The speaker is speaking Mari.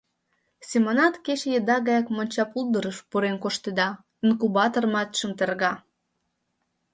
Семонат кече еда гаяк монча пулдырыш пурен коштеда, «инкубаторматшым» терга.